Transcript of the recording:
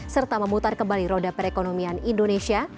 serta memutar kembali roda perekonomian indonesia